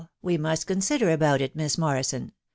.... we must consider about it, Miss Morrison